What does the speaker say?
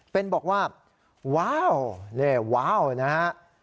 เป็นบอกว่าว้าวนี่ว้าวนะฮะ